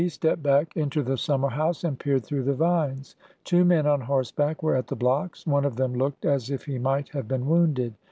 11 stepped back into the summer house and peered through the vines. Two men on horseback were at the blocks. One of them looked as if he might have been wounded.